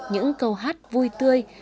những câu hát vui tươi